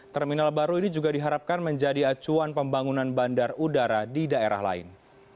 terminal baru ini juga diharapkan menjadi acuan pembangunan bandar udara di daerah lain